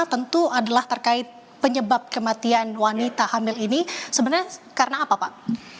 tentu adalah terkait penyebab kematian wanita hamil ini sebenarnya karena apa pak